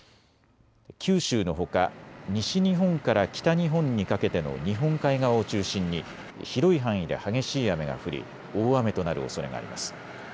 九州のほか、西日本から北日本にかけての日本海側を中心に広い範囲で激しい雨が降り大雨となるおそれがあります。